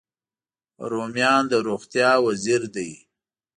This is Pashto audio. رومیان د روغتیا وزیر دی